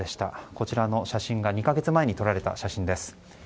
こちらの写真が２か月前に撮られた写真です。